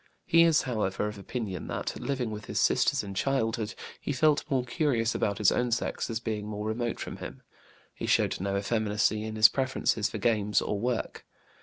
He is, however, of opinion that, living with his sisters in childhood, he felt more curious about his own sex as being more remote from him. He showed no effeminacy in his preferences for games or work.